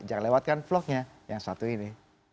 jangan lewatkan vlognya yang satu ini